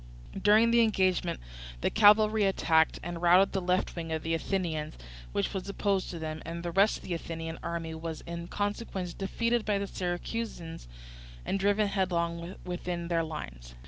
During the engagement the cavalry attacked and routed the left wing of the Athenians, which was opposed to them; and the rest of the Athenian army was in consequence defeated by the Syracusans and driven headlong within their lines.